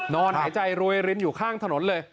นอนหายใจรวยรินอยู่ข้างถนนเลย